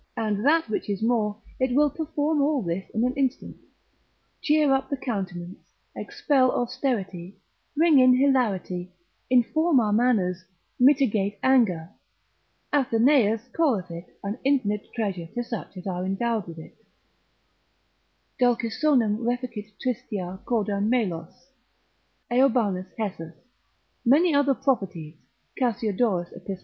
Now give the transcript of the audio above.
and that which is more, it will perform all this in an instant: Cheer up the countenance, expel austerity, bring in hilarity (Girald. Camb. cap. 12. Topog. Hiber.) inform our manners, mitigate anger; Athenaeus (Dipnosophist. lib. 14. cap. 10.) calleth it an infinite treasure to such as are endowed with it: Dulcisonum reficit tristia corda melos, Eobanus Hessus. Many other properties Cassiodorus, epist.